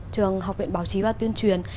trường học viện báo chí và tuyên truyền